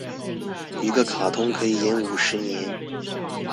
一個卡通可以演五十年